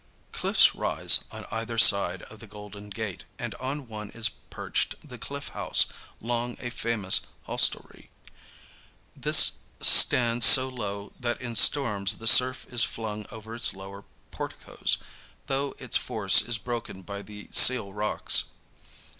Cliffs rise on either side of the Golden Gate, and on one is perched the Cliff House, long a famous hostelry. This stands so low that in storms the surf is flung over its lower porticos, though its force is broken by the Seal Rocks.